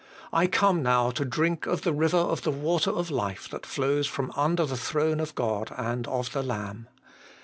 I come now to drink of the river of the water of life that flows from under the throne of God and of the Lamb.